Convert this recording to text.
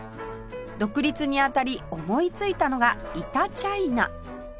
独立に当たり思いついたのがイタチャイナ